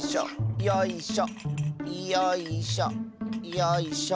よいしょ。